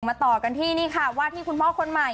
ต่อกันที่นี่ค่ะว่าที่คุณพ่อคนใหม่